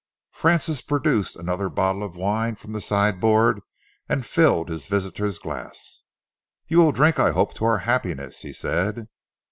Francis produced another bottle of wine from the sideboard and filled his visitor's glass. "You will drink, I hope, to our happiness," he said.